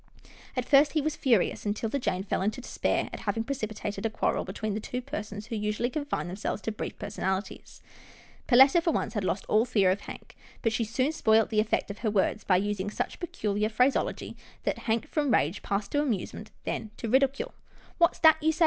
At first, he was furious, and 'Tilda Jane fell into despair at having precipitated a quarrel between the two persons who usually confined themselves to brief personalities. Perletta, for once, had lost all fear of Hank, but she soon spoilt the effect of her words, by using such peculiar phraseology that Hank from rage passed to amusement, and then to ridicule. " What's that you say?